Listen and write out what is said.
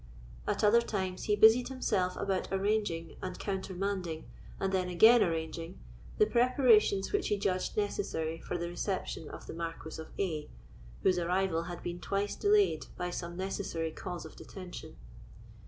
At other times he busied himself about arranging, and countermanding, and then again arranging, the preparations which he judged necessary for the reception of the Marquis of A——, whose arrival had been twice delayed by some necessary cause of detention.